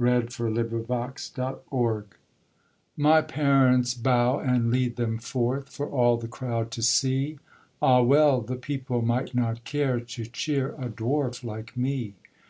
Andernach, 1851. THE UGLY PRINCESS My parents bow, and lead them forth, For all the crowd to see Ah well! the people might not care To cheer a dwarf like me.